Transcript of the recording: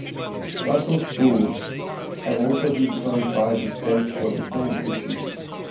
Russell Schools have also been closed by the state for the same issue.